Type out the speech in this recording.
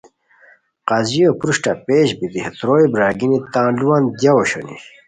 قاضیو پروشٹہ پیش بیتی ہے تروئے برارگینی تان لوؤان دیاؤ اوشونی